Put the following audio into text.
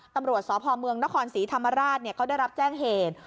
ตำรวจสพเมืองนครศรีธรรมราชเขาได้รับแจ้งเหตุ